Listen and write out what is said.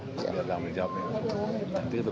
nanti suruh mereka laku suara di mana